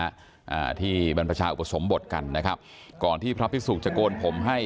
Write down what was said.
อ่าที่บรรพชาอุปสมบทกันนะครับก่อนที่พระพิสุกจะโกนผมให้